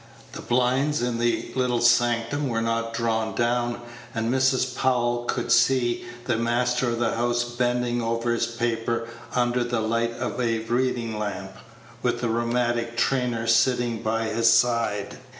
The blinds in the little sanctum were not drawn down, and Mrs. Powell could see the master of the house bending over his paper under the light of a reading lamp, with the rheumatic trainer sitting by his side.